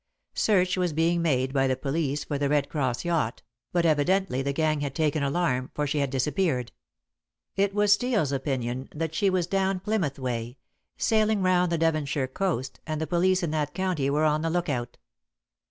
Search was being made by the police for The Red Cross yacht, but evidently the gang had taken alarm, for she had disappeared. It was Steel's opinion that she was down Plymouth way, sailing round the Devonshire coast, and the police in that county were on the lookout.